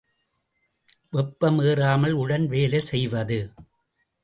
வெப்பம் ஏறாமல் உடன் வேலை செய்வது.